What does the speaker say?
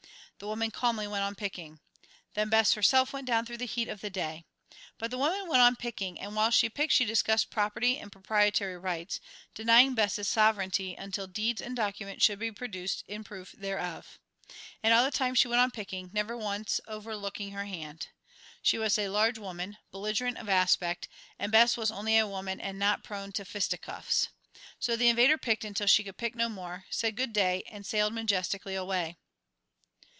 The woman calmly went on picking. Then Bess herself went down through the heat of the day. But the woman went on picking, and while she picked she discussed property and proprietary rights, denying Bess's sovereignty until deeds and documents should be produced in proof thereof. And all the time she went on picking, never once overlooking her hand. She was a large woman, belligerent of aspect, and Bess was only a woman and not prone to fisticuffs. So the invader picked until she could pick no more, said "Good day," and sailed majestically away.